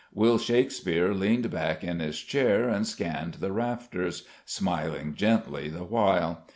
Will Shakespeare leaned back in his chair and scanned the rafters, smiling gently the while.